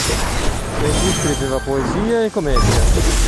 Egli scriveva poesie e commedie.